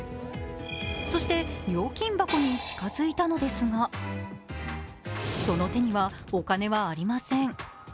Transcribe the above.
そして料金箱に近づいたのですがその手にお金はありません。